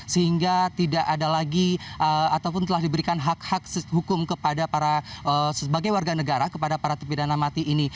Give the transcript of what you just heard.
sehingga tidak ada lagi ataupun telah diberikan hak hak hukum kepada para sebagai warga negara kepada para terpidana mati ini